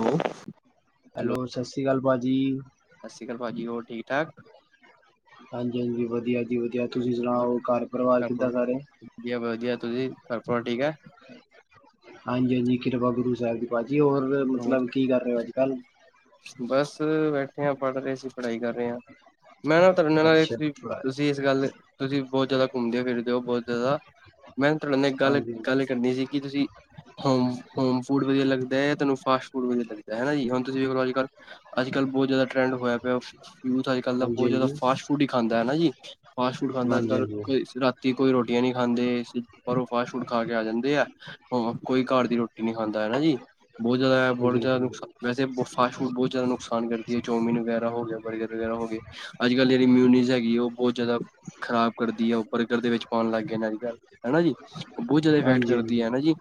Hello hello ਸਤਿ ਸ਼੍ਰੀ ਅਕਾਲ ਭਾਜੀ ਸਤਿ ਸ਼੍ਰੀ ਅਕਾਲ ਭਾਜੀ [unintelligible] ਹਾਂਜੀ ਹਾਂਜੀ ਵਧੀਆ ਜੀ ਵਧੀਆ ਤੁਸੀਂ ਸੁਣਾਓ ਘਰ ਪਰਿਵਾਰ ਕਿੱਦਾਂ ਸਾਰੇ ਵਧੀਆ ਵਧੀਆ ਤੁਸੀਂ ਘਰ ਪਰਿਵਾਰ ਠੀਕ ਹੈ ਹਾਂਜੀ ਹਾਂਜੀ ਕਿਰਪਾ ਗੁਰੂ ਸਾਹਿਬ ਦੀ ਭਾਜੀ ਜੀ ਹੋਰ ਮਤਲਬ ਕੀ ਕਰ ਰਹੇ ਹੋ ਅੱਜ ਕੱਲ੍ਹ ਬਸ ਬੈਠੇ ਆ ਪੜ੍ਹ ਰਹੇ ਸੀ ਪੜਾਈ ਕਰ ਰਹੇ ਹਾਂ ਮੈਂ ਨਾ ਤੁਹਾਡੇ ਨਾਲ ਅੱਛਾ ਤੁਸੀਂ ਇਸ ਗੱਲ ਤੁਸੀਂ ਬਹੁਤ ਜ਼ਿਆਦਾ ਘੁੰਮਦੇ ਹੋ ਫਿਰਦੇ ਹੋ ਬਹੁਤ ਜ਼ਿਆਦਾ ਮੈਂ ਤੁਹਾਡੇ ਨਾਲ ਗੱਲ ਹਾਂਜੀ ਗੱਲ ਕਰਨੀ ਸੀ ਕਿ ਤੁਸੀਂ ਹੋਮ ਹੋਮ ਫੂਡ ਵਧੀਆ ਲੱਗ ਦਾ ਜਾ ਤੁਹਾਨੂੰ ਫਾਸਟ ਫੂਡ ਵਧੀਆ ਲੱਗਦਾ ਹੈਨਾ ਜੀ ਹੁਣ ਤੁਸੀਂ ਵੇਖ ਲੋ ਅੱਜ ਕੱਲ੍ਹ ਅੱਜ ਕੱਲ੍ਹ ਬਹੁਤ ਜ਼ਿਆਦਾ ਟਰੈਂਡ ਹੋਇਆ ਪਿਆ ਯੂਥ ਅੱਜ ਕੱਲ ਦਾ ਹਾਂਜੀ ਬਹੁਤ ਜ਼ਿਆਦਾ ਫਾਸਟ ਫੂਡ ਖਾਂਦਾ ਹੈਨਾ ਜੀ ਫਾਸਟ ਫੂਡ ਖਾਂਦਾ ਅੱਜ ਹਾਂਜੀ ਹਾਂਜੀ ਕੱਲ ਹਾਂਜੀ ਕੋਈ ਰਾਤੀ ਕੋਈ ਰੋਟੀ ਰੋਟੀਆਂ ਨਹੀਂ ਖਾਂਦੇ ਪਰ ਫਾਸਟ ਫੂਡ ਖਾ ਕੇ ਆ ਜਾਂਦੇ ਆ ਹੇ ਕੋਈ ਘਰ ਦੀ ਰੋਟੀ ਨੀ ਖਾਂਦਾ ਹਨਾ ਜੀ ਬਹੁਤ ਜ਼ਿਆਦਾ ਬਹੁਤ ਜ਼ਿਆਦਾ ਬਿਲਕੁਲ ਬਿਲਕੁਲ। ਨੁਕਸਾਨ ਫਾਸਟ ਫੂਡ ਬਹੁਤ ਜ਼ਿਆਦਾ ਨੁਕਸਾਨ ਕਰਦੀ ਹੈ ਚੌਮਿਨ ਵਗੈਰਾ ਹੋ ਗਿਆ ਬਰਗਰ ਵਗੈਰਾ ਹੋ ਗਏ ਅੱਜ ਕਲ ਜਿਹੜੀ ਮਿਊਨੀਜ਼ ਹੈਗੀ ਉਹ ਬਹੁਤ ਜ਼ਿਆਦਾ ਖ਼ਰਾਬ ਕਰਦੀ ਹੈ ਉਹ ਬਰਗਰ ਦੇ ਵਿੱਚ ਪਾਉਣ ਲੱਗ ਗਏ ਇਹਨਾਂ ਘਰ ਹਨਾ ਜੀ ਬਹੁਤ ਜ਼ਿਆਦਾ ਇਫੈਕਟ ਹਾਂਜੀ ਕਰਦੀ ਹਾਂਜੀ ਹੈ ਹਨਾ ਜੀ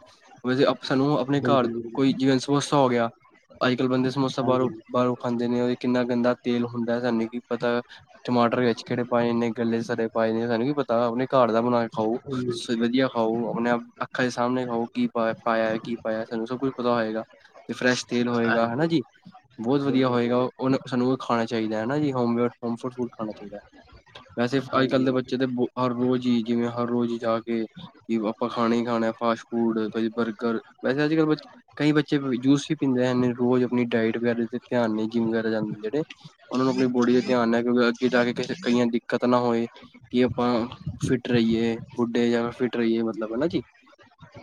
[inaudible] ਸਾਨੂੰ ਆਪਣੇ ਬਿਲਕੁਲ ਘਰ ਬਿਲਕੁਲ ਜੀਵੇਂ ਸਮੋਸਾ ਹੋ ਗਿਆ ਬੰਦੇ ਸਮੋਸਾ ਹਾਂਜੀ ਬਰੋਂ ਬਾਹਰੋਂ ਖਾਂਦੇ ਨੇ ਉਹ ਕਿੰਨਾ ਗੰਦਾ ਤੇਲ ਹੁੰਦਾ ਸਾਨੂੰ ਕੀ ਪਤਾ ਟਮਾਟਰ ਵਿੱਚ ਕਿਹੜੇ ਪਾਏ ਇੰਨੇ ਗੱਲੇ ਸੜੇ ਪਾਏ ਨੇ ਸਾਨੂੰ ਕੀ ਪਤਾ ਆਪਣੇ ਘਰ ਦਾ ਬਣਾ ਖਾਓ ਸ ਵਧੀਆ ਖਾਓ ਆਪਣੇ ਆਪ ਅੱਖਾਂ ਦੇ ਸਾਹਮਣੇ ਖਾਓ ਕੀ ਪਾਇਆ ਕੀ ਪਾਇਆ ਸਾਨੂੰ ਸਭ ਕੁੱਛ ਪਤਾ ਹੋਏਗਾ ਤੇ ਫਰੈਸ਼ ਤੇਲ ਹੋਏਗਾ ਹਨਾ ਹਾਂਜੀ ਜੀ ਬਹੁਤ ਹਾਂਜੀ ਬਿਲਕੁਲ ਵਧੀਆ ਹੋਏਗਾ ਬਿਲਕੁਲ ਉਹਨ ਸਾਨੂੰ ਉਹ ਖਾਣਾ ਚਾਹੀਦਾ ਹਨਾ ਜੀ ਹੋਮ ਮੇਡ ਫੂਡ ਖਾਣਾ ਚਾਹੀਦਾ ਵੈਸੇ ਅੱਜ ਕੱਲ ਹਾਂਜੀ ਦੇ ਹਾਂਜੀ ਬੱਚੇ ਦੇ ਹਰ ਰੋਜ਼ ਜੀ ਜਿਵੇਂ ਹਰ ਰੋਜ਼ ਜਾ ਕੇ ਕਿ ਆਪਾਂ ਖਾਣਾ ਹੀ ਖਾਣਾ ਫਾਸਟ ਫੂਡ ਬਰਗਰ ਵੈਸੇ ਅੱਜ ਕੱਲ ਬ ਕਈ ਬੱਚੇ ਜੂਸ ਵੀ ਪੀਂਦੇ ਹਨ ਰੋਜ਼ ਆਪਣੀ ਡਾਇਟ ਵਗੈਰਾ ਧਿਆਨ ਨਹੀਂ ਜਿੰਮ ਵਗੈਰਾ ਜਾਂਦੇ ਜਿਹੜੇ ਉਹਨਾਂ ਨੂੰ ਆਪਣੀ ਬੋਡੀ ਦੇ ਧਿਆਨ ਨੇ ਕਿਉਂਕਿ ਅੱਗੇ ਜਾ ਕੇ ਕਈਆਂ ਦਿੱਕਤ ਨਾ ਹੋਏ ਕਿ ਆਪਾਂ ਫਿਟ ਰਹੀਏ ਬੁੱਢੇ ਜਾ ਫਿਟ ਰਹੀਏ ਮਤਲਬ ਹਨਾ ਜੀ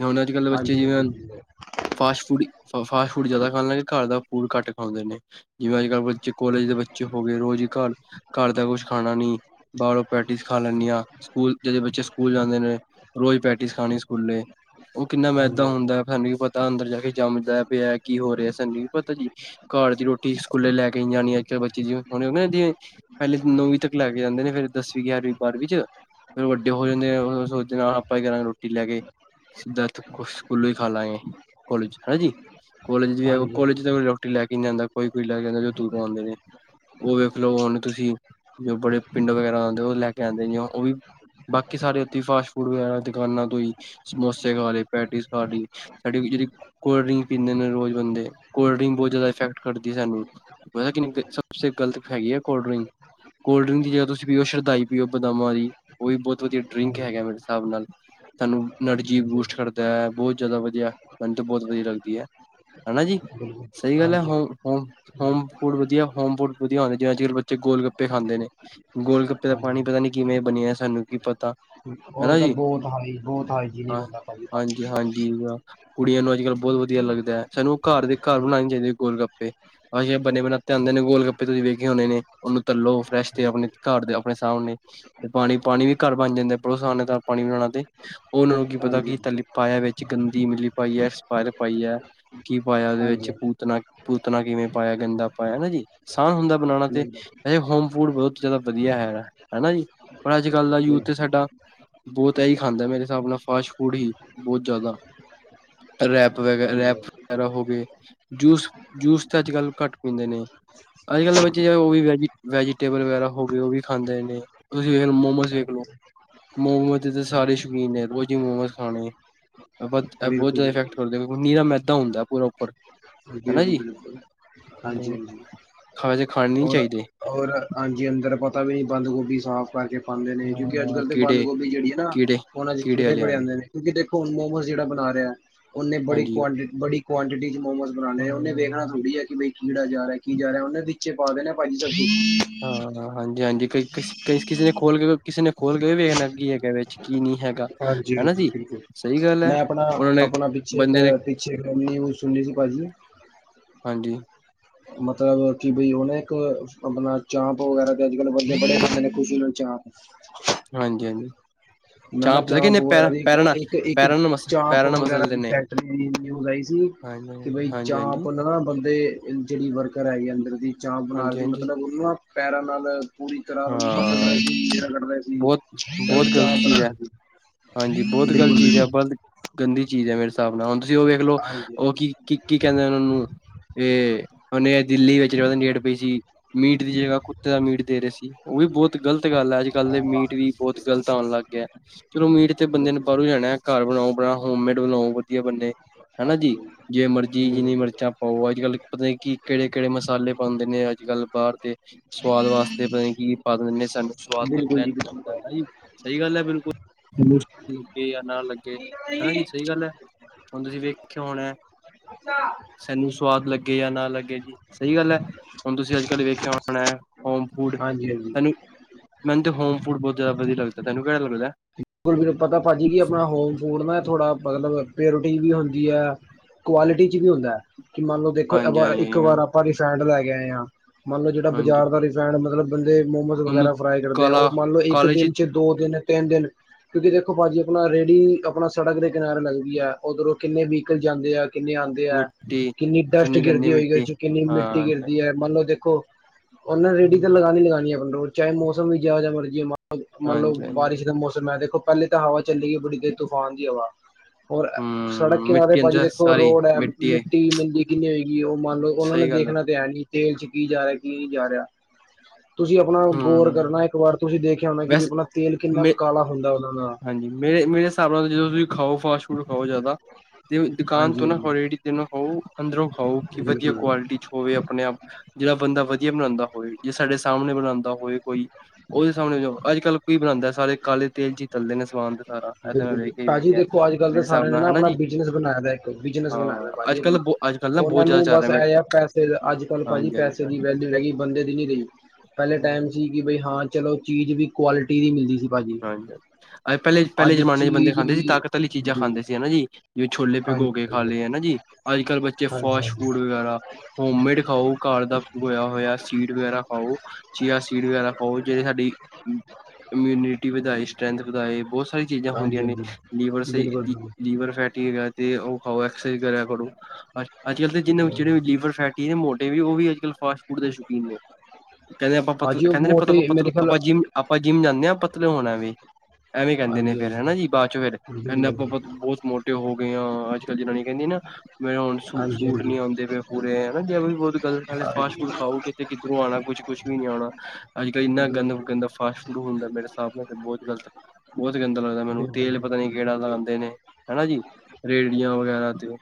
ਹੁਣ ਅੱਜ ਕੱਲ੍ਹ ਬੱਚੇ ਹਾਂਜੀ ਹਾਂਜੀ ਜਿਵੇਂ ਫਾਸਟ ਫੂਡ ਫਾਸਟ ਫੂਡ ਜ਼ਿਆਦਾ ਖਾਣ ਲੱਗੇ ਘਰ ਦਾ ਫੂਡ ਘੱਟ ਖਾਂਦੇ ਨੇ ਜਿਵੇਂ ਅੱਜ ਕੱਲ ਬੱਚੇ ਕੋਲੇਜ ਦੇ ਬੱਚੇ ਹੋ ਗਏ ਰੋਜ਼ ਹੀ ਘਰ ਘਰ ਦਾ ਕੁਛ ਖਾਣਾ ਨੀ ਬਾਹਰੋਂ ਪੇਟਿਸ ਖਾ ਲੈਂਦੀ ਆ ਸਕੂਲ ਜਦੋਂ ਬੱਚੇ ਸਕੂਲ ਜਾਂਦੇ ਨੇ ਰੋਜ਼ ਪੇਟਿਸ ਖਾਣੀ ਸਕੂਲੇ ਉਹ ਕਿੰਨਾ ਮੈਂ ਮੈਦਾਂ ਹਾਂਜੀ ਹਾਂਜੀ ਹਾਂਜੀ ਹੁੰਦਾ ਸਾਨੂੰ ਕੀ ਪਤਾ ਤਾਂ ਅੰਦਰ ਜਾ ਕੇ ਜੰਮਦਾ ਪਿਐ ਕੀ ਹੋ ਰਿਹਾ ਸਾਨੂੰ ਨੀ ਪਤਾ ਜੀ ਘਰ ਦੀ ਰੋਟੀ ਸਕੂਲੇ ਲੈ ਕੇ ਨੀ ਜਾਣੀ ਅੱਜ ਕੱਲ ਬੱਚੇ ਜਿਵੇਂ [unintelligible] ਪਹਿਲੇ ਨੌਵੀਂ ਤੱਕ ਲੈ ਕੇ ਜਾਂਦੇ ਨੇ ਫੇਰ ਦਸਵੀਂ ਗਿਆਰਵੀਂ ਬਾਰਵੀ ਚ ਫਿਰ ਵੱਡੇ ਹੋ ਜਾਂਦੇ ਹੈ ਸੋਚਦੇ ਨਾਲ ਆਪਾਂ ਕੀ ਕਰਾਂਗੇ ਰੋਟੀ ਲੈ ਕੇ ਸਿੱਧਾ ਸਕੂਲੋਂ ਹੀ ਖਾ ਲਾਂਗੇ ਕੋਲੇਜ ਹਂਜੀ ਕਾਲੇਜ ਵੀ ਹਾਂਜੀ ਕਾਲੇਜ ਰੋਟੀ ਲੈ ਕੇ ਨੀ ਜਾਂਦਾ ਕੋਈ ਕੋਈ ਲੈ ਕੇ ਆਂਦਾ ਜੋ ਦੂਰੋਂ ਆਉਂਦੇ ਨੇ ਉਹ ਵੇਖ ਲੋ ਹੁਣ ਤੁਸੀਂ ਜੋ ਬੜੇ ਪਿੰਡ ਵਗੈਰਾ ਆਉਂਦੇ ਹੋ ਉਹ ਲੈ ਕੇ ਆਉਂਦੇ ਜੇ ਉਹ ਵੀ ਬਾਕੀ ਸਾਡੇ ਉੱਥੇ ਫਾਸਟ ਫੂਡ ਵਗੈਰਾ ਦੁਕਾਨਾਂ ਤੋਂ ਹੀ ਸਮੋਸੇ ਖਾ ਲਏ ਪੈਟੀਸ ਖਾ ਲਈ ਸਾਡੀ ਜਿਹੜੀ ਕੋਲਡ ਡਰਿੰਕ ਪੀਂਦੇ ਨੇ ਰੋਜ਼ ਬੰਦੇ ਕੋਲਡ ਡਰਿੰਕ ਬਹੁਤ ਜ਼ਿਆਦਾ ਇਫੈਕਟ ਕਰਦੀ ਸਾਨੂੰ ਪਤੈ ਕਿੰ ਸਭ ਸੇ ਗਲਤ ਹੈਗੀ ਹੈ ਕੋਲਡ ਡਰਿੰਕ ਕੋਲਡ ਡਰਿੰਕ ਦੀ ਜਗ੍ਹਾ ਤੁਸੀਂ ਪੀਓ ਸ਼ਰਧਾਈ ਪੀਓ ਬਦਾਮਾਂ ਦੀ ਉਹ ਵੀ ਬਹੁਤ ਵਧੀਆ ਹਾਂਜੀ ਡਰਿੰਕ ਹਾਂਜੀ ਹੈਗਾ ਮੇਰੇ ਹਿਸਾਬ ਨਾਲ ਸਾਨੂੰ ਐਨਰਜੀ ਹਾਂਜੀ ਬੂਸਟ ਕਰਦਾ ਹੈ ਬਹੁਤ ਜ਼ਿਆਦਾ ਵਧੀਆ ਮੈਨੂੰ ਤਾਂ ਬਹੁਤ ਵਧੀਆ ਲੱਗਦੀ ਹੈ ਹੈਨਾ ਜੀ ਬਿਲਕੁਲ। ਸਹੀ ਗੱਲ ਹੈ ਹਾਂਜੀ ਹੋ ਹੋ ਹੋਮ ਫੂਡ ਵਧੀਆ ਹੋਮ ਫੂਡ ਵਧੀਆ ਹੁੰਦਾ ਜਿਵੇਂ ਅੱਜ ਕੱਲ੍ਹ ਬਚੇ ਗੋਲ ਗੱਪੇ ਖਾਂਦੇ ਨੇ ਗੋਲ ਗੱਪੇ ਦਾ ਹਾਂਜੀ ਪਾਣੀ ਹਾਂਜੀ ਪਤਾ ਨੀ ਕਿਵੇਂ ਬਣਿਆ ਸਾਨੂੰ [inaudible] ਉਹ ਹਨਾ ਤਾਂ ਜੀ ਬਹੁਤ ਹਾਂਜੀ ਬਹੁਤ ਹਾਈ ਜੀਨਿਕ ਹਾਂ ਹੁੰਦਾਂ ਭਾਜੀ ਪਾਣੀ ਹਾਂਜੀ ਹਾਂਜੀ ਕੁੜੀਆਂ ਨੂੰ ਅੱਜ ਕੱਲ੍ਹ ਬਹੁਤ ਵਧੀਆ ਲੱਗਦੈ ਹੈ ਸਾਨੂੰ ਉਹ ਘਰ ਦੇ ਘਰ ਹਾਂਜੀ ਬਣਾਉਣੇ ਚਾਹੀਦੇ ਹੈ ਗੋਲ ਗੱਪੇ ਭਾਜੀ ਐ ਬੰਨੇ ਬੰਨਾਏ ਤੇ ਆਉਂਦੇ ਨੇ ਗੋਲ ਗੱਪੇ ਤੁਸੀਂ ਵੇਖੇ ਹੋਣੇ ਨੇ ਉਹਨੂੰ ਤਲੋ ਫਰੈਸ਼ ਤੇ ਬਿਲਕੁਲ, ਆਪਣੇ ਘਰ ਦੇ ਆਪਣੇ ਸਾਹਮਣੇ ਤੇ ਪਾਣੀ ਪਾਣੀ ਵੀ ਘਰ ਬਣ ਜਾਂਦਾ ਬੜਾ ਅਸਾਨ ਹੈ ਨਾਲ ਪਾਣੀ ਬਣਾਣਾ ਤੇ ਉਹਨਾਂ ਨੂੰ ਕੀ ਪਤਾ ਹਾਂਜੀ ਕੀ ਹਾਂਜੀ ਤੱਲ ਪਾਇਆ ਵਿੱਚ ਗੰਦੀ ਈਮਲੀ ਪਾਈਏ ਐਕਸਪਾਯਰ ਪਾਈਏ ਕੀ ਪਾਇਆ ਉਹਦੇ ਵਿੱਚ ਹਾਂਜੀ ਪੂਤਣਾ ਪੂਤਣਾ ਕਿਵੇਂ ਪਾਇਆ ਗੰਦਾ ਪਾਇਆ ਜੀ ਆਸਾਨ ਹੁੰਦੈ ਬਣਾਉਣਾ ਤੇ ਬਿਲਕੁਲ ਅਜੇ ਹੋਮ ਫੂਡ ਬਹੁਤ ਜ਼ਿਆਦਾ ਵਧੀਆ ਹੈਗਾ ਹੈਨਾ ਜੀ ਪਰ ਅੱਜ ਕੱਲ੍ਹ ਦਾ ਯੂਥ ਬਿਲਕੁਲ, ਤੇ ਸਾਡਾ ਬਹੁਤ ਇਹੀ ਖਾਂਦਾ ਹੈ ਮੇਰੇ ਹਿਸਾਬ ਨਾਲ ਫਾਸਟ ਫੂਡ ਹੀ ਬਹੁਤ ਜ਼ਿਆਦਾ ਰੈਪ ਵ ਹਾਂਜੀ ਰੈਪ ਹਾਂਜੀ ਵਗੈਰਾ ਹੋ ਗਏ ਜੂਸ ਜੂਸ ਤਾਂ ਅੱਜ ਕੱਲ ਘੱਟ ਪੀਂਦੇ ਨੇ ਅੱਜ ਕੱਲ੍ਹ ਦੇ ਬੱਚੇ ਜ ਉਹ ਵੀ ਵੈਜੀ ਵੈਜੀਟੇਬਲ ਵਗੈਰਾ ਹੋ ਗਏ ਉਹ ਵੀ ਖਾਂਦੇ ਨੇ ਤੁਸੀਂ ਵੇਖ ਮੋਮੋਜ਼ ਵੇਖ ਲਓ ਮੋਮੋਜ਼ ਦੇ ਤਾਂ ਸਾਰੇ ਹਾਂਜੀ ਸ਼ੌਕੀਨ ਨੇ ਰੋਜ਼ ਹੀ ਮੋਮੋਜ਼ ਖਾਣੇ ਐ ਬਤ ਐ ਬਹੁਤ ਬਿਲਕੁਲ ਬਿਲਕੁਲ ਸਿਧਾ ਇਫੈਕਟ ਕਰਦੇ ਮੇਰੇ ਕੋਲ ਨੀਰਾ ਮੈ ਦਾ ਹੁੰਦਾ ਪੂਰਾ ਉੱਪਰ ਹਨਾ ਬਿਲਕੁਲ ਜੀ ਬਿਲਕੁਲ ਹਾਂਜੀ ਬਹੁਤ ਹਾਂਜੀ ਖਾ ਜੇ ਖਾਣੇ ਨਹੀਂ ਹੋਰ ਚਾਹੀਦੇ ਹੋਰ ਹਾਂਜੀ ਅੰਦਰ ਪਤਾ ਵੀ ਨੀ ਬੰਦ ਗੋਭੀ ਸਾਫ ਭਰਕੇ ਪਾਉਂਦੇ ਨੇ ਕਿਉਂਕਿ ਅੱਜ ਹਾਂ ਕਲ ਤੇ ਬੰਦ ਕੀੜੇ ਗੋਭੀ ਜਿਹੜੀ ਹੈ ਨਾ ਕੀੜੇ ਉਹਨਾ ਚ ਕੀੜੇ ਵਾਲੇ ਬੜੇ ਆ ਗਏ ਆਉਂਦੇ ਨੇ ਕਿਉਂਕਿ ਦੇਖੋ ਹੁਣ ਮੋਮੋਜ਼ ਜਿਹੜਾ ਬਣਾ ਰਿਹਾ ਉਹਨੇ ਬੜੀ ਹਾਂਜੀ ਕੁਆਂਟੀਟ ਬੜੀ ਕੁਆਂਟੀਟਿ ਚ ਮੋਮੋਸ ਪੁਰਾਣੇ ਉਹਨੇ ਵੇਖਣਾ ਹਾਂ ਥੋੜੀ ਹੈ ਕਿ ਬਈ ਕੀੜਾ ਜਾ ਰਿਹਾ ਕੀ ਜਾ ਰਿਹਾ ਉਹਨੇ ਵਿੱਚੇ ਪਾ ਦੇਣਾ ਭਾਜੀ ਸਬਜ਼ੀ ਹਾਂ ਹਾਂ ਹਾਂਜੀ ਹਾਂਜੀ ਕਈ ਕਿਸ ਕ ਕਿਸੇ ਨੇ ਖੋਲ ਕੇ ਕਿਸੇ ਨੇ ਖੋਲ ਕੇ ਵੇਖਣਾੱ ਕੀ ਹੈਗਾ ਵਿੱਚ ਕੀ ਨਹੀਂ ਹੈਗਾ। ਹਾਂਜੀ ਹਨਾ ਹਾਂਜੀ ਜੀ, ਬਿਲਕੁਲ ਸਹੀ ਗੱਲ ਐ ਮੈਂ ਆਪਣਾ ਉਹਨਾਂ ਨੇ ਆਪਣਾ ਪਿੱਛੇ ਇੱਕ ਬੰਦੇ ਨੇ ਪਿੱਛੇ ਇਕ ਨਿਯੁਜ਼ ਸੁਣੀ ਸੀ ਭਾਜੀ ਹਾਂਜੀ ਮਤਲਬ ਕਿ ਬਈ ਉਹਨੇ ਇੱਕ ਆਪਣਾ ਚਾਂਪ ਵਗੈਰਾ ਤੇ ਅੱਜ ਕਲ ਬੰਦੇ ਬੜੇ ਬਦੇ ਨੇ ਖੁਸ਼ੀ ਨਾਲ ਚਾਂਪ ਹਾਂਜੀ-ਹਾਂਜੀ ਮੈਂ ਨਾ ਪਤਾ ਚਾਂਪ ਕਿੰਨੇ ਵਗੈਰਾ ਪੈਰਾਂ ਦੀ ਪੈਰਾਂ ਨਾਲ ਇੱਕ ਇੱਕ ਪੈਰਾਂ ਨਾਲ ਮਸ ਚਾਂਪ ਪੈਰਾਂ ਨਾਲ ਵਗੈਰਾ ਮਸਲਦੇ ਦੀ ਨੇ ਫੈਕਟਰੀ ਦੀ ਨਿਊਜ਼ ਆਈ ਸੀ ਹਾਂਜੀ, ਕਿ ਹਾਂਜੀ, ਬਈ ਹਾਂਜੀ, ਚਾਂਪ ਹਾਂਜੀ, ਨਾ ਨਾ ਬੰਦੇ ਜਿਹੜੀ ਵਰਕਰ ਹੈਗੀ ਅੰਦਰ ਦੀ ਚਾਹ ਬਣਾਰ ਹਾਂਜੀ ਦੀ ਹਾਂਜੀ ਮਤਲਬ ਉਹਨਾਂ ਪੈਰਾਂ ਨਾਲ ਪੂਰੀ ਤਰ ਹਾਂ ਸੀਰਾ ਕੱ ਸੀ ਬਹੁਤ ਬਹੁਤ ਚਾ ਗ਼ਲਤ ਚੀਜ਼ ਐ। ਬਣਾਹੇ ਸੀ ਹਾਂਜੀ ਬਹੁਤ ਬਿਲਕੁਲ ਬਿਲਕੁਲ ਬਣਾ ਹੁਣ ਤੁਸੀਂ ਉਹ ਵੇਖ ਲਓ ਹਾਂਜੀ ਉਹ ਕੀ ਕੀ ਕੀ ਕਹਿੰਦੇ ਉਹਨਾਂ ਨੂੰ ਇਹ ਉਹਨੇ ਦਿੱਲੀ ਵਿੱਚ ਜ ਡੇਟ ਪਈ ਸੀ ਮੀਟ ਦੀ ਜਗ੍ਹਾ ਕੁੱਤੇ ਦਾ ਮੀਟ ਦੇ ਰਹੇ ਸੀ। ਉਹ ਵੀ ਬਹੁਤ ਗ਼ਲਤ ਗੱਲ ਹੈ ਅੱਜ ਕੱਲ ਦੇ ਮੀਟ ਵੀ ਹਾਂਜੀ ਬਹੁਤ ਹਾਂ ਗ਼ਲਤ ਆਉਣ ਲੱਗ ਗਿਆ ਚਲੋ ਮੀਟ ਤੇ ਬੰਦੇ ਨੂੰ ਬਿਲਕੁਲ ਬਾਹਰੋਂ ਜਾਣਾ ਘਰ ਬਣਾਓ ਬਣਾ ਹੋਮਮੇਡ ਬਣਾਓ ਵਧੀਆ ਬੰਦੇ ਹਨਾ ਜੀ ਹਾਂਜੀ ਜੇ ਮਰਜੀ ਜਿੰਨੀ ਬਿਲਕੁਲ ਮਿਰਚਾਂ ਪਾਓ ਅੱਜ ਕੱਲ ਪਤਾ ਕਿ ਕਿਹੜੇ ਕਿਹੜੇ ਮਸਾਲੇ ਪਾਉਂਦੇ ਨੇ ਅੱਜ ਕੱਲ ਬਾਹਰ ਦੇ ਸਵਾਦ ਵਾਸਤੇ ਪਤਾ ਨ ਕੀ ਪਤਾ ਦਿੰਦੇ ਸਾਨੂੰ ਸਵਾਦ ਲੱਗਦਾ ਨ ਜੀ ਬਿਲਕੁਲ ਲੱਗਦਾ ਸਹੀ ਗੱਲ ਹੈ ਬਿਲਕੁਲ ਠੀਕ ਆ ਨਾਲ ਲੱਗੇ ਠੀਕ ਹੈ ਹਨਾ ਜੀ ਸਹੀ ਗੱਲ ਹੈ। ਹੁਣ ਤੁਸੀਂ ਵੇਖਿ ਹੋਣਾ ਅੱਛਾ ਸੈਨੂੰ ਸਵਾਦ ਲੱਗਿਆ ਲੱਗੇਜਾਂ ਨਾ ਲੱਗੇ ਜੀ ਸਹੀ ਗੱਲ ਹੈ ਹੁਣ ਤੁਸੀਂ ਅੱਜ ਕੱਲ੍ਹ ਵੇਖਿਆ ਹੋਣਾ ਹੋ ਬੂਡ ਹਾਂਜੀ ਹਾਂਜੀ ਅ ਮੈਨੂੰ ਹੋਮ ਫੂਡ ਬਹੁਤ ਜ਼ਦਾ ਵਧੀਆ ਲਗਦਾ ਤੈਨੂੰਹੜਾ ਲਗਦਾ। ਬਿਲਕੁਲ ਵੀ ਨੀ ਪਤਾ ਭਾਜੀ ਨੂੰ ਕਿ ਆਪਣਾ ਹੋਮ ਫੂਡ ਨਾ ਥੋੜ੍ਹਾ ਮਤਲਬ ਪਿਓਰਿਟੀ ਵੀ ਹੁੰਦੀ ਹੈ ਕੁਆਲਿਟੀ 'ਚ ਵੀ ਹੁੰਦਾ। ਕਿ ਮੰਨ ਲੋ ਦੇਖੋ ਹਾਂਜੀ ਹਾਂਜੀ ਇੱਕ ਹਾਂਜੀ ਵਾਰ ਆਪਾਂ ਰਿਫੈਂਡ ਲੈ ਕੇ [inaudible] ਹਾਂ। ਮੰਨ ਲਓ ਜਿਹੜਾ ਹਾਂਜੀ ਬਾਜ਼ਾਰ ਦਾ ਰੇਫਾਇੰਡ ਮਤਲਬ ਬੰਦੇ ਮੋਮੋਸ ਉਹਨੂੰ ਵਗੈਰਾ ਫਰਾਈ ਕਰਦੇ ਆ ਕਾਲਾ ਉਹ ਮੰਨ ਲਓ ਇੱਕ ਕਾਲੇ ਦਿਨ ਚ ਦੋ ਦਿਨ ਤਿੰਨ ਦਿਨ ਕਿਉਂਕਿ ਦੇਖੋ ਭਾਜੀ ਆਪਣਾ ਰੇਹੜੀ ਆਪਣਾ ਸੜਕ ਦੇ ਕਿਨਾਰੇ ਲੱਗਦੀ ਹੈ ਉੱਧਰੋਂ ਕਿੰਨੇ ਵੇਹਿਕਲ ਜਾਂਦੇ ਆ। ਕਿੰਨੇ ਆਉਂਦੇ ਹੈ ਮਿੱਟੀ ਕਿੰਨੀ ਡਸਟ ਗੰਦੀ ਗਿਰਦੀ ਮਿੱਟੀ ਹੋਏਗੀ ਕਿੰਨੀ ਹਾਂ ਮਿੱਟੀ ਗਿਰਦੀ ਹੈ ਮੰਨ ਲਓ ਦੇਖੋ ਉਹਨਾਂ ਨੇ ਰੇਡੀ ਤਾਂ ਹਾਂਜੀ ਲਗਾਨੀ ਲਗਾਉਣੀ ਹੈ ਆਪ ਰੋਜ਼ ਚਾਹੇ ਮੌਸਮ ਵੀ ਜਿਹੋ ਜਿਹਾ ਮਰਜ਼ੀ ਹੋਏ ਮਤਲਬ ਹਾਂਜੀ ਬਾਰਿਸ਼ ਦਾ ਮੌਸਮ ਦੇਖੋ ਪਹਿਲੇ ਤਾਂ ਹਵਾ ਚੱਲੀ ਹੈ ਬੜੀ ਦੇਰ ਤੂਫਾਨ ਦੀ ਹਵਾ । ਹੋਰ ਸੜਕ ਹਮ ਕਿਨਾਰੇ ਮਿੱਟੀ ਭਾਜੀ ਅੰਦਰ ਦੇਖੋ ਸਾਰੀ ਰੋਡ ਹੈ ਮਿੱਟੀ ਮੰਡੀ ਕਿੰਨੀ ਹੋਏਗੀ ਉਹ ਮੰਨ ਲਓ ਉਹਨਾ ਨੇ ਸਹੀ ਗੱਲ ਦੇਖਣਾ ਤਾਂ ਹੈ ਨਹੀਂ ਤੇਲ ਚ ਕੀ ਜਾ ਰਿਹਾ ਕੀ ਨਹੀ ਜਾ ਰਿਹਾ। ਤੁਸੀਂ ਆਪਣਾ ਗੌਰ ਕਰਨਾ ਹਮ ਇੱਕ ਵਾਰ ਤੁਸੀਂ ਦੇਖਿਆ ਹੋਣਾ ਕਿ ਵੀ ਵੈਸੇ ਆਪਣਾ ਤੇਲ ਕਿੰਨਾ ਮੇ ਹੁੰਦਾ ਦਾ ਹਾਂਜੀ ਮੇਰੇ ਮੇਰੇ ਹਿਸਾਬ ਨਾਲ ਜਦੋਂ ਤੁਸੀਂ ਖਾਓ ਫਾਸਟ ਫੂਡ ਖਾਓ ਜ਼ਿਆਦਾ ਤੇ ਦੁਕਾਨ ਤੋਂ ਹਾਂਜੀ ਨਾ ਹਾਂਜੀ ਖਾਉ ਰੇਹੜੀ ਤੋ ਨਾ ਖਾਓ ਅੰਦਰੋਂ ਖਾਓ ਕਿ ਵਧੀਆ ਬਿਲਕੁਲ ਕੁਆਲਿਟੀ ਚ ਹੋਵੇ ਆਪਣੇ ਆਪ ਜਿਹੜਾ ਬੰਦਾ ਵਧੀਆ ਬਣਾਉਂਦਾ ਹੋਵੇ ਜੇ ਸਾਡੇ ਸਾਹਮਣੇ ਬਣਾਉਂਦਾ ਹੋਵੇ ਕੋਈ। ਉਹਦੇ ਸਾਹਮਣੇ ਜੋ ਅੱਜ ਕੱਲ੍ਹ ਬਣਾਉਦਾ ਸਾਰੇ ਕਾਲੇ ਤੇਲ ਚ ਹੀ ਨੇ ਸਮਾਨ ਤੇ ਸਾਰਾ ਇਹ ਤੇ ਮੈਂ ਬਿਲਕੁਲ ਵੇਖਿਆ ਹੀ ਭਾਜੀ ਵੇਖਿਆ ਦੇਖੋ ਅੱਜ ਕੱਲ ਮੇਰੇ ਤਾਂ ਹਿਸਾਬ ਸਾਰਿਆਂ ਨੇ ਨਾਲ ਨਾ ਹਨਾ ਆਪਣਾ ਜੀ ਬਿਜਨਸ ਬਣਾਇਆ ਪਿਆ ਦਾ ਇੱਕ ਬਿਜਨਸ ਬਣਾਏ ਹਾਂ ਦਾ ਅੱਜ ਭਾਜੀ ਆਪਣਾ ਕੱਲ ਅੱਜ ਕੱਲ੍ਹ ਨਾ ਉਹਨਾਂ ਬਹੁਤ ਜ਼ਿਆਦਾ ਨੂੰ ਚੱਲ ਬਸ ਰਿਹਾ ਇਹ ਆ ਪੈਸੇ ਅੱਜ ਕੱਲ ਭਾਜੀ ਹਾਂਜੀ ਹਾਂਜੀ ਪੈਸੇ ਦੀ ਹਾਂਜੀ ਵੈਲਿਊ ਰਹਿ ਗਈ ਬੰਦੇ ਦੀ ਨੀ ਰਹੀ ਪਹਿਲੇ ਹਾਂ ਟਾਈਮ ਸੀ ਕਿ ਬਈ ਹਾਂ ਚਲੋ ਚੀਜ਼ ਵੀ ਕੁਆਲਿਟੀ ਦੀ ਮਿਲਦੀ ਸੀ ਭਾਜੀ ਹਾਂਜੀ ਪਹਿਲੇ ਪਹਿਲੇ ਅੱਜ ਜਮਾਨੇ ਚ ਬੰਦੇ ਚੀਜ਼ ਖਾਂਦੇ ਵੀ ਸੀ ਤਾਕਤ ਵਾਲੀ ਚੀਜ਼ਾਂ ਜੀ, ਖਾਂਦੇ ਸੀ ਹਨਾ ਜੀ ਜਿਵੇਂ ਛੋਲੇ ਹਾਂਜੀ ਭਿਗੋ ਕੇ ਖਾ ਹਾਂਜੀ ਲਏ ਹਨਾ ਜੀ ਅੱਜ ਕੱਲ੍ਹ ਬੱਚੇ ਹਾਂਜੀ ਫਾਸਟ ਫੂਡ ਵਗੈਰਾ ਹੋਮੇਡ ਖਾਓ ਘਰ ਦਾ ਭਿਗੋਆ ਹੋਇਆ ਸੀਡ ਵਗੈਰਾ ਖਾਓ ਚੀਆ ਸੀਡ ਵਗੈਰਾ ਖਾਓ ਜਿਹੜੇ ਸਾਡੀ ਇਮਿਊਨਿਟੀ ਵਧਾਏ ਸਟਰ੍ਰੈਂਥ ਵਧਾਏ ਬਹੁਤ ਸੀਆਂ ਚੀਜ਼ਾਂ ਹੁੰਦੀਆਂ ਹਾਂਜੀ ਨੇ ਲੀਵਰ ਹਾਂਜੀ ਸ ਬਿਲਕੁਲ ਲੀਵਰ ਫੈਟੀ ਹੈਗਾ ਤੇ ਉਹ ਖਾਓ ਐਕਸਰਸਾਈਜ਼ ਕਰਿਆ ਕਰੋ ਅੱਜ ਕੱਲ ਜਿ ਬਿਲਕੁਲ ਜਿਹੜੇ ਵੀ ਲੀਵਰ ਫੈਟੀ ਨੇ ਮੋਟੇ ਵੀ ਉਹ ਵੀ ਅੱਜ ਕੱਲ ਫਾਸਟ ਫੂਡ ਦੇ ਸ਼ੌਕੀਨ ਨੇ ਕਹਿੰਦੇ ਆਪਾਂ ਭਾਜੀ ਪਤਲਾ ਉਹ ਮੋਟੇ ਮੇਰੇ ਕਹਿੰਦੇ ਖਿਆਲ ਆਪਾਂ ਜਿਮ ਆਪਾਂ ਜਿੰਮ ਜਾਂਦੇ ਹਾਂ ਆਪਾਂ ਐਵੇਂ ਕਹਿੰਦੇ ਨੇ ਹਾਂਜੀ ਫਿਰ ਹੈ ਹਾਂਜੀ ਨਾਂ ਜੀ ਬਾਅਦ ਚੋਂ ਫਿਰ ਕਹਿੰਦੇ ਆਪਾਂ ਬਿਲਕੁਲ ਬਤ ਬਹੁਤ ਮੋਟੇ ਹੋ ਗਏ ਹਾਂ ਅੱਜ ਕੱਲ ਜਨਾਨੀ ਕਹਿੰਦੀ ਨਾ ਮੇਰਾ ਹੁਣ ਸੂ ਹਾਂਜੀ ਸੂਟ ਹਾਂਜੀ ਨੀ ਆਉਂਦੇ ਪਏ ਪੂਰੇ ਹਨਾ ਜੇ ਬਤ ਗਲਤ ਫਾਸਟ ਫੂਡ ਖਾਓ ਕਿਤੇ ਕਿਧਰੋਂ ਆਉਣਾ ਕੁ ਕੁਛ ਵੀ ਨੀ ਆਉਣਾ ਅੱਜ ਕੱਲ੍ਹ ਇੰਨਾ ਬਿਲ ਗੰਦਾ ਫਾਸਟ ਫੂਡ ਹੁੰਦਾ ਮੇਰਾ ਬਹੁਤ ਗਲਤ ਬਹੁਤ ਗੰਦਾ ਲੱਗਦਾ ਮੈਨੂੰ ਤੇਲ ਬਿਲਕੁਲ ਪਤਾ ਨੀ ਕਿਹੜਾ ਬਿਲਕੁਲ ਪਾਉਂਦੇ ਨੇ ਹੈ ਨਾਂ ਜੀ ਰੇੜੀਆਂ ਵਗੈਰਾ ਤੇ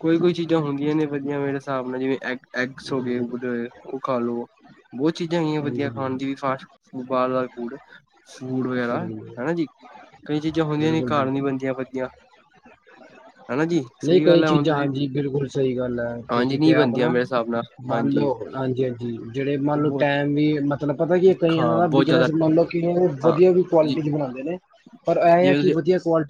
ਕੋਈ ਕੋਈ ਚੀਜ਼ਾਂ ਹੁੰਦੀਆਂ ਨੇ ਵਧੀਆ ਮੇਰੇ ਹਿਸਾਬ ਨਾਲ ਜਿਵੇਂ ਐਗਸ ਹੋ ਗਏ ਉਹ ਖਾ ਲੋ ਬਹੁਤ ਚੀਜ਼ਾਂ ਹੈਗੀਆ ਹਾਂਜੀ ਵਧੀਆ ਖਾਣ ਬਿਲਕੁਲ ਦੀ ਵੀ ਫਾਸਟ ਫੂਡ ਫੂਡ ਵਗੈਰਾ ਬਿਲਕੁਲ ਹੈ ਨਾਂ। ਬਿਲਕੁਲ ਬਿਲਕੁਲ ਬਣਦੀਆਂ ਵਧੀਆ ਹਨਾ ਜੀ ਨਹੀਂ ਸਹੀ ਕਈ ਗੱਲ ਹੈ ਹੁਣ ਚੀਜ਼ਾਂ ਤੁਸੀਂ ਹਾਂਜੀ ਬਿਲਕੁਲ ਸਹੀ ਗੱਲ ਹੈ ਹਾਂਜੀ ਤੁਸੀਂ ਨਹੀਂ ਕਿਹਾ ਬਣਦੀਆਂ ਆਪਣਾ ਮੇਰੇ ਹਿਸਾਬ ਨਾਲ ਮੰਨ ਹਾਂਜੀ ਲਓ ਹਾਂਜੀ ਹਾਂਜੀ ਜਿਹੜੇ ਮੰਨ ਲਓ ਬਹੁਤ ਟੈਮ ਵੀ ਮ ਤੁਹਾਨੂੰ ਪਤਾ ਕਿ ਕਈਆਂ ਹਾਂ ਦਾ ਬਹੁਤ ਜ਼ਿਆਦਾ ਬਿਜਨਸ ਮੰਨ ਲਓ ਕਈਆਂ ਨੂੰ ਹਾਂ ਵਧੀਆ ਵੀ ਜੀ, ਕੁਆਲਿਟੀਜ਼ ਬਣਾਓ। ਪਰ ਇਹ ਹੈ ਜਿਵੇਂ ਕਿ ਤੁਸੀਂ ਵਧੀਆ ਕੁਆਲਟੀ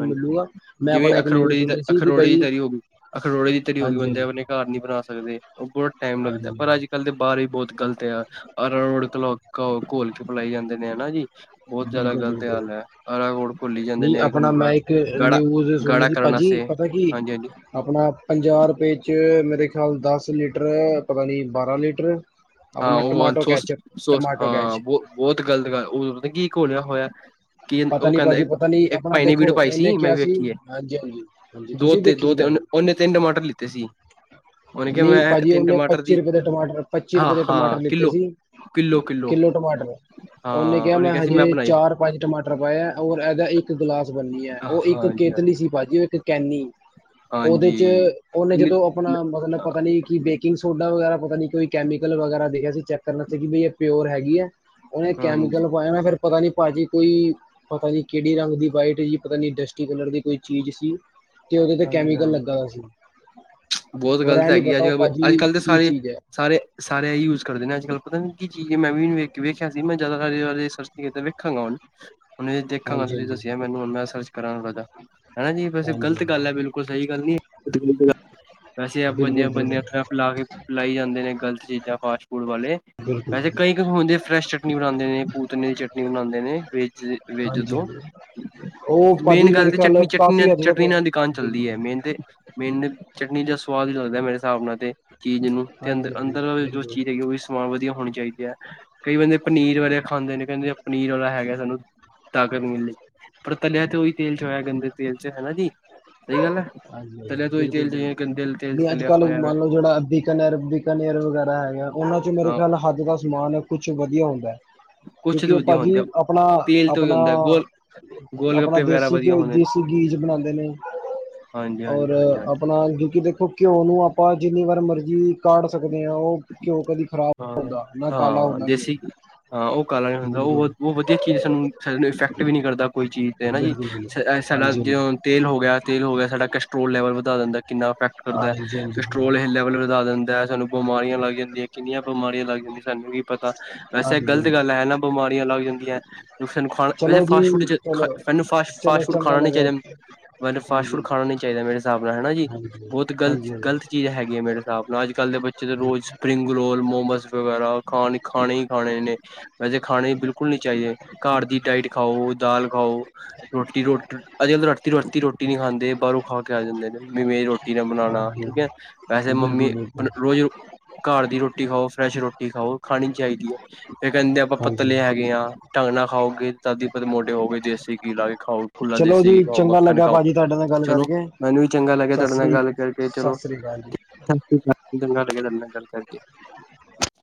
ਹਾਂਜੀ ਮੈਂ ਜਿਵੇਂ ਆਪਣਾ ਇੱਕ ਨਿਊਜ਼ ਅਖਰੋੜੇ ਦੀ ਸੁਣੀ ਸੀ ਕਿ ਅਖਰੋੜੇ ਦੀ ਬਈ ਤਰੀ ਹੋ ਗਈ ਅਖਰੋੜੇ ਦੀ ਤਰੀ ਹੋ ਗਈ ਹਾਂਜੀ ਬੰਦੇ ਹਾਂਜੀ ਆਪਣੇ ਘਰ ਨੀ ਬਣਾ ਸਕਦੇ, ਉਹ ਬਹੁਤ ਟਾਈਮ ਲੱਗਦਾ ਹਾਂਜੀ ਪਰ ਅੱਜ-ਕੱਲ੍ਹ ਦੇ ਬਾਹਰ ਵੀ ਬਹੁਤ ਗਲਤ ਆ ਅਰੋੜ ਕਲੋ ਘੋਲ ਕੇ ਪਿਲਾਏ ਜਾਂਦੇ ਨੇ ਹਨਾ ਜੀ। ਬਹੁਤ ਜ਼ਿਆਦਾ ਬਿਲਕੁਲ ਗ਼ਲਤ ਬਿਲਕੁਲ ਹਾਲ ਹੈ, ਅਰਾਕੋੋੜ ਘੁੱਲੀ ਜਾਂਦੇ ਨਹੀਂ ਨੇ। ਆਪਣਾ ਉਹਨੂੰ ਮੈਂ ਗੜ ਇੱਕ ਗਾੜਾ ਨਿਊਜ ਸੁਣੀ ਗਾੜਾ ਸੀ ਕਰਨ ਭਾਜੀ ਵਾਸਤੇ ਪਤਾ ਕੀ ਹਾਂਜੀ ਹਾਂਜੀ ਆਪਣਾ ਪੰਜਾਹ ਰੁਪਏ ਚ ਮੇਰੇ ਖਿਆਲ ਦਸ ਲੀਟ ਰ ਪਤਾ ਨਹੀਂ ਬਾਰਾਂ ਲੀਟਰ ਹਾਂ ਆਪਣਾ ਉਹ ਟਮਾਟੋ ਸੋ ਕੈਚਅਪ ਸੋਸ ਟਮਾਟੋ ਹਾਂ ਕੈਚ ਬਹੁ ਬਹੁਤ ਗਲਤ ਗੱਲ ਉਹ ਪਤਾ ਕੀ ਘੋਲਿਆ ਹੋਇਆ ਕੀ ਕ ਪਤਾ ਉਹ ਨਹੀਂ ਕਹਿੰਦਾ ਭਾਜੀ ਪਤਾ ਨਹੀਂ ਇੱਕ ਆਪਣਾ ਭਾਈ ਨੇ ਦੇਖੋ ਵੀਡਿਓ ਪਾਈ ਉਹਨੇ ਸੀ ਮੈਂ ਕਿਹਾ ਵੀ ਵੇਖੀ ਏ ਹਾਂਜੀ ਹਾਂਜੀ ਹਾਂਜੀ ਦੋ ਤੁਸੀਂ ਦੇਖੀ ਦੋ ਸੀ ਨ ਭਾਜੀ ਉਹਨੇ ਤਿੰਨ ਟਮਾਟਰ ਲਿੱਤੇ ਸੀ ਉਹਨੇ ਕਿਹਾ ਨਹੀਂ ਮੈਂ ਭਾਜੀ ਤਿੰਨ ਉਹਨੇ ਟਮਾਟਰ ਦੀ ਰੁਪਏ ਦੇ ਟਮਾਟਰ ਹਾਂ ਹਾਂ ਟਮਾਟਰ ਲਿੱਤੇ ਕਿੱਲੋ ਸੀ ਕਿੱਲੋ ਟਮਾਟਰ ਉਹਨੇ ਕਿਹਾ ਮੈਂ ਹਜੇ ਤੇ ਚਾਰ ਪੰਜ ਟਮਾਟਰ ਪਾਇਆ ਔਰ ਇਹਦਾ ਇੱਕ ਗਿਲਾਸ ਬੰਨੀ ਹੈ ਉਹ ਇੱਕ ਹਾਂਜੀ ਕੇਤਲੀ ਹਾਂਜੀ ਸੀ ਪਾਜੀ ਉਹ ਇੱਕ ਕੈਨੀ ਉਹਦੇ ਹਾਂਜੀ ਚ ਉਹਨੇ ਇੰਨੇ ਜਦੋਂ ਆਪਣਾ ਮਤਲਬ ਪਤਾ ਨੀ ਕਿ ਬੇਕਿੰਗ ਸੋਡਾ ਵਗੈਰਾ ਪਤਾ ਨੀ ਕੋਈ ਕੈਮੀਕਲ ਵਗੈਰਾ ਦੇਖਿਆ ਸੀ ਚੈੱਕ ਕਰਨਾ ਸੀ ਕਿ ਬਈ ਇਹ ਪਿਓਰ ਹੈਗੀ ਐ। ਉਹਨੇ ਹਾਂਜੀ ਕੈਮੀਕਲ ਪਾਇਆ ਨਾ ਫੇਰ ਪਤਾ ਨੀ ਭਾਜੀ ਕੋਈ ਪਤਾ ਨੀ ਕਿਹੜੀ ਰੰਗ ਦੀ ਵਾਈਟ ਜੀ ਪਤਾ ਨੀ ਡਸਟੀ ਕਲਰ ਦੀ ਕੋਈ ਚੀਜ਼ ਸੀ। ਤੇ ਉਹਦੇ ਤੇ ਹਾਂਜੀ- ਕੈਮੀਕਲ ਹਾਂਜੀ ਲੱਗਾ ਦਾ ਸੀ ਬਹੁਤ ਹੋਰ ਗ਼ਲਤ ਇਹ ਨੀ ਹੈਗੀ ਪਤਾ ਅੱਜ- ਉਹ ਕੱਲ ਅੱਜ ਭਾਜੀ ਕੱਲ੍ਹ ਤਾਂ ਕੀ ਸਾਰੇ ਚੀਜ਼ ਹੈ -ਸਾਰੇ -ਸਾਰੇ ਇਹੀ ਯੂਜ ਕਰਦੇ ਨੇ ਅੱਜ ਕੱਲ ਪਤਾ ਨੀ ਕੀ ਮੈਂ ਵੀ ਵੇਖ ਕੇ ਵੇਖਿਆ ਮੈਂ ਜਿਆਦਾਤਰ ਸਰਚ ਵੇਖਾਂਗਾ ਹੁਣ ਹੁਣ ਦੇਖਾਂਗਾ ਹਾਂਜੀ ਤੁਸੀਂ ਹਾਂਜੀ ਦੱਸਿਆ ਮੈਨੂੰ ਸਰਚ ਕਰ ਹਨਾ ਜੀ ਵੈਸੇ ਗਲ ਹਾਂਜੀ ਤ ਗੱਲ ਹੈ ਹਾਂਜੀ ਬਿਲਕੁਲ ਸਹੀ ਗੱਲ ਨੀ ਵੈਸੇ ਆਪਾਂ ਬਿਲਕੁਲ ਬੰਦਿਆਂ ਬਿਲਕੁਲ ਨੂੰ ਲ ਪਿਲਾਈ ਜਾਂਦੇ ਨੇ ਗਲਤ ਚੀਜ਼ਾਂ ਫਾਸਟ ਵਾਲੇ ਬਿਲਕੁਲ ਵੈਸੇ ਕਈ- ਕਈ ਹੁੰਦੇ ਨੇ ਫਰੈਸ਼ ਚਟਨੀ ਬਣਾਦੇ ਨੇ ਪੂਤਨੇ ਦੀ ਚਟਨੀ ਨਵੀ ਬਣਾਂਦੇ ਨੇ ਵੇ ਹਾਂਜੀ- ਹਾਂਜੀ ਉਹ ਮੇਨ ਭਾਜੀ ਮੇਰੇ ਗੱਲ ਤੇ ਖਿਆਲ ਚਟਨੀ ਚਟਨੀ ਨਾਲ ਕਾਫੀ ਅੱਜ ਤੱਕ ਚਟਨੀ ਨਾਲ ਚੱਲਦੀ ਬਿਲਕੁਲ ਹੈ ਮੇਨ ਤੇ ਮੈਨੂੰ ਚਟਨੀ ਦਾ ਸਵਾਦ ਹੀ ਲੱਗਦਾ ਮੇਰੇ ਹਿਸਾਬ ਨਾਲ ਤੇ ਚੀਜ਼ ਨੂੰ ਤੇ ਅੰਦਰ ਹਾਂਜੀ ਹਾਂਜੀ -ਅੰਦਰ ਜੋ ਬਿਲਕੁਲ ਚੀਜ਼ ਹੈਗੀ ਉਹ ਵੀ ਸਮਾਨ ਵਧੀਆ ਹੋਣੀ ਚਾਹੀਦੇ ਹੈ। ਕਈ ਬੰਦੇ ਪਨੀਰ ਵਾਲੇ ਖਾਂਦੇ ਨੇ ਕਹਿੰਦੇ ਪਨੀਰ ਵਾਲਾ ਹੈਗਾ ਸਾਨੂੰ ਤਾਕਤ ਮਿਲੀ ਪਰ ਤਲਿਆ ਤੇ ਉਹੀ ਤੇਲ ਚ ਹੋਇਆ ਗੰਦੇ ਤੇਲ ਚ ਹਨਾ ਜੀ। ਸਹੀ ਗੱਲ ਹੈ ਹਾਂਜੀ ਹਾਂਜੀ ਤਲਿਆ ਤੋਂ ਉਹੀ ਬਿਲਕੁਲ- ਤੇਲ ਚ ਬਿਲਕੁਲ ਗੰਦੇ ਤੇਲ ਚ ਨਹੀਂ ਅੱਜ ਤਲਿਆ ਕਲ ਹੋਇਆ ਵ ਮੰਨ ਲਓ ਜਿਹੜਾ ਬੀਕਾਨੇਰ ਬੀਕਾਨੇਰ ਵਗੈਰਾ ਹੈਗਾ ਉਹਨਾਂ ਚ ਮੇਰੇ ਹਾਂ ਖਿਆਲ ਹੱਦ ਦਾ ਸਮਾਨ ਕੁਛ ਵਧੀਆ ਹੁੰਦਾ ਹੈ। ਕੁਛ ਕਿਉਂਕਿ ਤਾਂ ਉਹ ਵਧੀਆ ਹੁੰਦੇ ਆ, ਭਾਜੀ ਆਪਣਾ- ਤੇਲ ਤੋਂ ਹੀ ਹੁੰਦਾ ਗੋਲ ਆਪਣਾ- ਗੋਲ ਆਪਣਾ ਗੱਪੇ ਵਗੈਰਾ ਦੇਸੀ ਵਧੀਆ ਘ ਹੁੰਦੇ ਦੇਸੀ ਗੀਜ ਬਣਾਉਂਦੇ ਨੇ। ਹਾਂਜੀ ਔਰ ਹਾਂਜੀ ਹਾਂਜੀ ਹਾਂਜੀ ਆਪਣਾ ਜਿਕ ਦੇ ਘਿਓ ਨੂੰ ਆਪਾਂ ਜਿੰਨੀ ਵਾਰ ਮਰਜ਼ੀ ਕਾਢ ਸਕ ਸਕਦੇ ਹਾਂ। ਉਹ ਕਿਉ ਕਦੇ ਹਾਂ- ਹਾਂ ਦੇਸੀ ਹਾਂ। ਉਹ ਕਾਲਾ ਨੀ ਹੁੰਦਾ ਬਿਲਕੁਲ ਉਹ ਵਧੀਆ ਚੀਜ਼ ਸਾਨੂੰ ਸਾਡ ਇਫੈਕਟ ਵੀ ਨੀ ਕਰਦਾ। ਕੋਈ ਚੀਜ਼ ਤੇ ਹਨਾ ਜੀ ਬਿਲਕੁਲ ਬਿਲਕੁਲ ਸਾਡਾ ਹਾਂਜੀ ਜੇ ਹਾਂਜੀ ਤੇਲ ਹੋ ਗਿਆ, ਤੇਲ ਹੋ ਗਿਆ। ਕੈਸਟਰੋਲ ਲੈਬਲ ਵਧਾ ਦਿੰਦਾ, ਕਿੰਨਾ ਇਫੈਕਟ ਕਰਦਾ ਹਾਂਜੀ ਹਾਂਜੀ ਕੈਸਟਰੋਲ ਬਿਲਕੁਲ। ਲੈਬਲ ਵਧਾ ਦਿੰਦਾ। ਸਾਨੂੰ ਬਿਮਾਰੀਆਂ ਲੱਗ ਜਾਂਦੀਆ ਕਿੰਨੀਆਂ ਬਿਮਾਰੀਆਂ ਲੱਗ ਜਾਂਦੀਆਂ ਸਾਨੂੰ ਕੀ ਪਤਾ, ਵੈਸੇ ਹਾਂਜੀ ਗ਼ਲਤ ਹਾਂਜੀ। ਗੱਲ ਹੈ ਨਾ ਬਿਮਾਰੀਆਂ ਲੱਗ ਜਾਂਦੀਆਂ- ਸਾਨੂੰ ਖਾਣਾ ਵੈਸੇ ਚਲੋ ਜੀ ਫਾਸਟ ਫੂਡ ਚਲੋ ਮੈਨੂੰ ਫਾਸਟ ਚਲੋ ਫਾਸਟ ਫੂਡ ਚੰਗਾ ਖਾਣਾ ਨੀ ਲੱਗਾ ਚਾਹੀਦਾ ।ਮੈਨੂੰ ਫਾਟ ਫੂਡ ਹਾਂਜੀ ਖਾਣਾ ਨ ਨਹੀਂ ਚਾਹੀਦਾ। ਮੇਰੇ ਹਿਸਾਬ ਨਾਲ ਹਨ ਹੈਾ ਜੀ, ਹਾਂਜੀ, ਬਹੁਤ ਗ਼ਲਤ ਹਾਂਜੀ, -ਗਲਤ ਹਾਂਜੀ, ਚੀਜ਼ ਹੈਗੀ ਹੈ। ਮੇਰੇ ਹਿਸਾਬ ਨਾਲ ਅੱਜ ਕੱਲ੍ਹ ਦੇ ਬੱਚੇ ਦੇ ਰੋਜ਼ ਹਾਂਜੀ, ਸਪਰਿੰਗ ਮੋਮਸ ਵਗੈਰਾ ਖਾ ਖਾਣੇ ਹੀ ਖਾਣੇ ਵੈਸੇ ਖਾਣੇ ਹੀ ਬਿਲਕੁਲ ਨਹੀਂ ਚਾਹੀਏ। ਘਰ ਡਾਈਟ ਖਾਓ, ਦਾਲ ਖਾਓ, ਰੋਟੀ ਰੋ ਅੱਜ ਕੱਲ ਰਾਤੀ- ਰੋਤੀ ਰੋਟੀ ਨਹੀਂ ਖਾਂਦੇ। ਬਾਹਰੋਂ ਖਾ ਕੇ ਆ ਜਾਂਦੇ ਨੇ ਮਵੇਂ ਰੋਟੀ ਨਾ ਬਣਾਉਣਾ। ਹਾਂਜੀ। ਠੀਕ ਹੈ, ਵੈਸੇ ਮੰਮੀ ਬਿਲਕੁਲ, ਬਿਲਕੁਲ ਰੋਜ਼ ਘਰ ਦੀ ਰੋਟੀ ਖਾਓ, ਫਰੈਸ਼ ਰੋਟੀ ਖਾਓ, ਖਾਣੀ ਚਾਹੀਦੀ ਆ। ਫੇਰ ਕਹਿੰਦੇ ਆਪਾਂ ਹਾਂਜੀ, ਪਤਲੇ ਹੈਗੇ ਆ। ਢੰਗਣਾ ਖਾ ਤਦੀ ਪਤੀ ਮੋਟੇ ਹੋ ਗਏ ।ਦੇਸੀ ਘੀ ਲਾ ਕੇ ਖਾਓ, ਖੁੱਲਾ ਚਲੋ ਦੇਸੀ ਘੀ ਜੀ ਖਾਓ, ਚੰਗਾ ਮੱਖਣ ਲੱਗਾ ਖਾਓ, ਭਾਜੀ ਤੁਹਾਡੇ ਨਾਲ ਗੱਲ ਚਲੋ, ਕਰਕੇ। ਮੈਨੂੰ ਵੀ ਚੰਗਾ ਲੱਗਿਆ ਸਤਿ ਤੁਹਾਡੇ ਨਾਲ ਸ੍ਰੀ, ਗੱਲ ਕਰਕੇ ਸਤਿ ਚਲੋ, ਸ੍ਰੀ ਅਕਾਲ ਜੀ। ਚੰਗਾ ਲੱਗਿਆ। ਤੁਹਾਡੇ ਨਾਲ ਗੱਲ [inaudible]